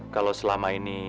kalau selama ini